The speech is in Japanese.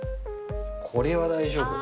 これは大丈夫。